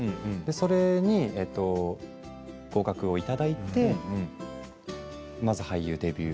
それに合格をいただいてまず俳優デビュー。